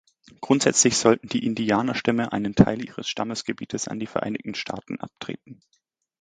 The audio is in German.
Grundsätzlich sollten die Indianerstämme einen Teil ihres Stammesgebiets an die Vereinigten Staaten abtreten.